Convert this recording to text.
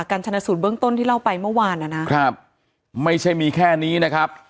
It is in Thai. ชนะสูตรเบื้องต้นที่เล่าไปเมื่อวานนะครับไม่ใช่มีแค่นี้นะครับ